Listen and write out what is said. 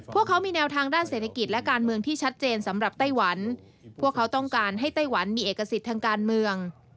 พวกเขามีแนวทางด้านเศรษฐกิจและการเมืองที่ชัดเจนสำหรับไต้หวันพวกเขาต้องการให้ไต้หวันมีเอกสิทธิ์ทางการเมือง